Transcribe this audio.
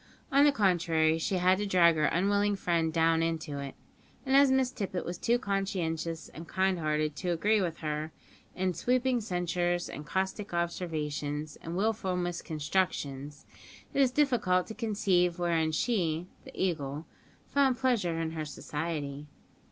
On the contrary, she had to drag her unwilling friend down into it; and as Miss Tippet was too conscientious and kind hearted to agree with her in her sweeping censures and caustic observations and wilful misconstructions, it is difficult to conceive wherein she (the Eagle) found pleasure in her society.